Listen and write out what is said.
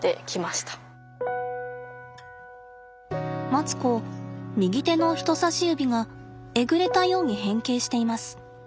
マツコ右手の人さし指がえぐれたように変形しています。